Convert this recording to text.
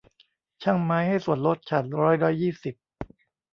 ช่างไม้ให้ส่วนลดฉันร้อยละยี่สิบ